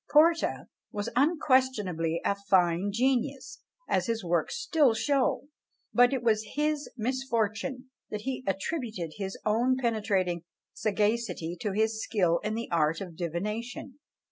Porta was unquestionably a fine genius, as his works still show; but it was his misfortune that he attributed his own penetrating sagacity to his skill in the art of divination.